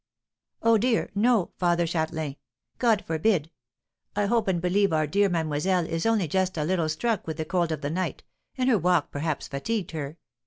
"Oh, dear, no, Father Châtelain! God forbid! I hope and believe our dear mademoiselle is only just a little struck with the cold of the night, and her walk perhaps fatigued her.